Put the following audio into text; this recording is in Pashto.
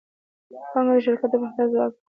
پانګه د شرکت د پراختیا ځواک دی.